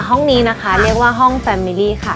ห้องนี้นะคะเรียกว่าห้องแฟมมิลี่ค่ะ